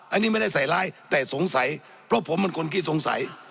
อันนี้ไม่ได้ใส่ร้ายแต่สงสัยเพราะผมเป็นคนขี้สงสัย